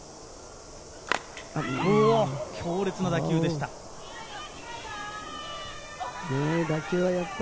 強烈な打球でした。